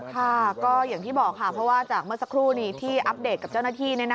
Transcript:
ค่ะก็อย่างที่บอกค่ะเพราะว่าจากเมื่อสักครู่นี้ที่อัปเดตกับเจ้าหน้าที่